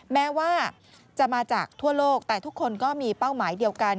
แม้ว่าจะมาจากทั่วโลกแต่ทุกคนก็มีเป้าหมายเดียวกัน